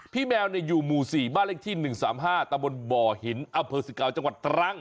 พี่แมวอยู่หมู่๔บ้านเล็กที่๑๓๕ตะบนบ่อหินอัพเพิร์ต๑๙จังหวัดตรัง